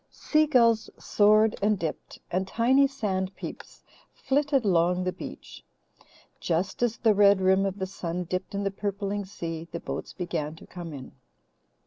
Sea gulls soared and dipped, and tiny "sand peeps" flitted along the beach. Just as the red rim of the sun dipped in the purpling sea, the boats began to come in.